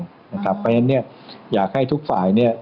เพราะฉะนั้นเนี่ยอยากให้ทุกฝ่ายเนี่ย